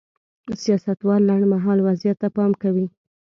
سیاستوال لنډ مهال وضعیت ته پام کوي.